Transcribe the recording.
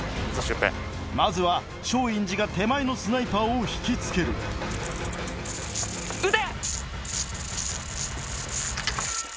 まずは松陰寺が手前のスナイパーを引きつける撃て！